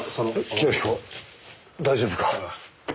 清彦大丈夫か？